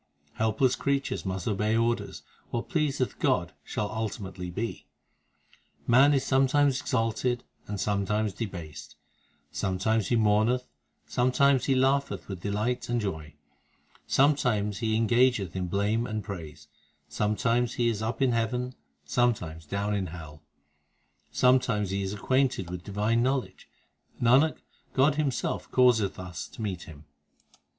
Helpless creatures must obey orders ; What pleaseth God shall ultimately be. Man is sometimes exalted, and sometimes debased ; Sometimes he mourneth, and sometimes he laugheth with delight and joy ; Sometimes he engageth in blame and praise, Sometimes he is up in heaven, sometimes down in hell ; Sometimes he is acquainted with divine knowledge, Nanak, God Himself causeth us to meet Him.